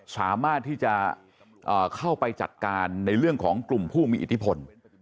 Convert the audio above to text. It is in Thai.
สามารถที่จะเข้าไปจัดการในเรื่องของกลุ่มผู้มีอิทธิพล